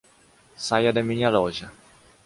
Saia da minha loja.